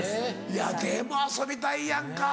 いやでも遊びたいやんか。